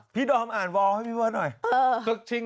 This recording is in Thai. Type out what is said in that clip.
พี่ดอมอ่านบ่อยเลยให้พี่บ่อย